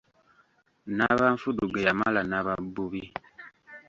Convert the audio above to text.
Nnabanfudu ge yamala Nnababbubi.